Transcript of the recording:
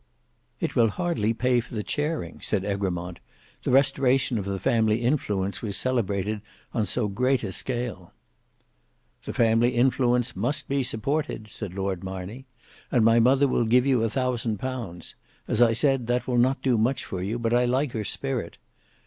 "It will hardly pay for the chairing," said Egremont; "the restoration of the family influence was celebrated on so great a scale." "The family influence must be supported," said Lord Marney, "and my mother will give you a thousand pounds; as I said, that will not do much for you, but I like her spirit.